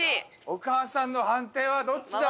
お母さんの判定はどっちだ？